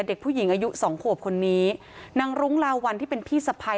เด็กผู้หญิงอายุสองขวบคนนี้นางรุ้งลาวัลที่เป็นพี่สะพ้าย